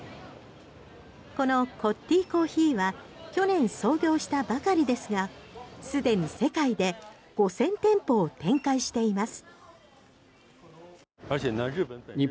このＣＯＴＴＩＣＯＦＦＥＥは去年創業したばかりですが既に世界で５０００店舗を展開しています。